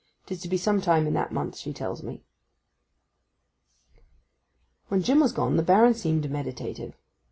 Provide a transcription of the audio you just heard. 'Tis to be some time in that month, she tells me.' When Jim was gone the Baron seemed meditative.